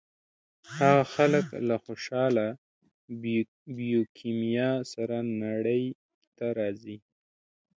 هغه خلک له خوشاله بیوکیمیا سره نړۍ ته راځي.